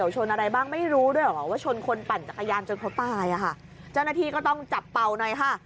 เจ้านาฬีก็ต้องจับเปล่าหน่อยค่ะ